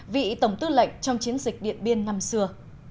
vị tổng tư lệnh trong chiến dịch điện biên năm xưa